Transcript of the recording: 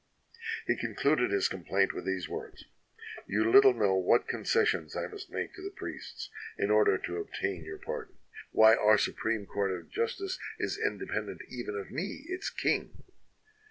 "He concluded his complaint with these words: 'You little know what concessions I must make to the priests in order to obtain your pardon. Why, our su preme court of justice is independent even of me, its king!'